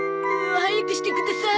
早くしてください。